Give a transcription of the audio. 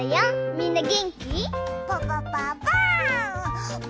みんなげんき？